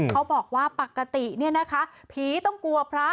เขาบอกว่าปกติเนี่ยนะคะผีต้องกลัวพระ